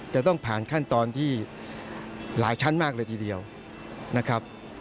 จะต้องผ่านขั้นตอนที่หลายชั้นมากเลยทีเดียวนะครับ